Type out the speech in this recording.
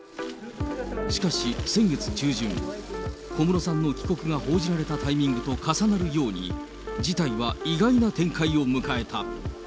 しかし、先月中旬、小室さんの帰国が報じられたタイミングと重なるように、事態は意外な展開を迎えた。